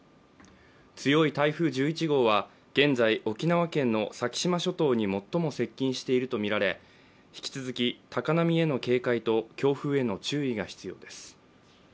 強い台風１１号は現在沖縄県の先島諸島に最も接近しているとみられ引き続き高波への警戒と強風への注意が必要です。